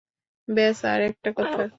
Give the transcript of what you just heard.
ব্যাস, আর একটা কথা।